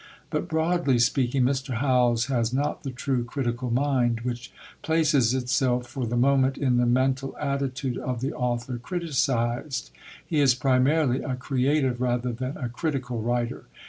But, broadly speaking, Mr. Howells has not the true critical mind, which places itself for the moment in the mental attitude of the author criticised; he is primarily a creative rather than a critical writer.